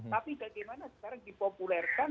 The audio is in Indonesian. tapi bagaimana sekarang dipopulerkan